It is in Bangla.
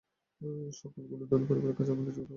সকলগুলোই ধনী পরিবারের আমরা কিছুই করতে পারবো না।